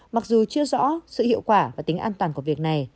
mặc dù chưa rõ sự hiệu quả và tính an toàn của việc này